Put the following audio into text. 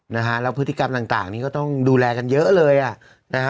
แล้วพฤติกรรมต่างนี้ก็ต้องดูแลกันเยอะเลยอะ